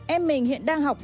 em mình hiện đang học